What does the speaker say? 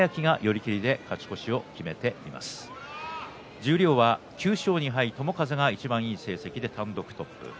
十両は９勝２敗友風がいちばんいい成績で単独トップです。